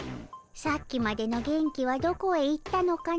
さっきまでの元気はどこへいったのかのムダオ。